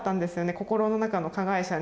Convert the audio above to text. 心の中の加害者に。